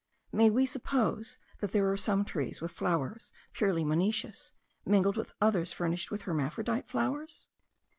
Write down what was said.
May we suppose that there are some trees with flowers purely monoecious, mingled with others furnished with hermaphrodite flowers?